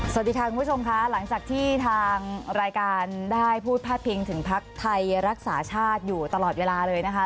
สวัสดีค่ะคุณผู้ชมค่ะหลังจากที่ทางรายการได้พูดพาดพิงถึงพักไทยรักษาชาติอยู่ตลอดเวลาเลยนะคะ